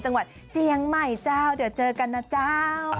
จังหวัดเจียงใหม่เจ้าเดี๋ยวเจอกันนะเจ้า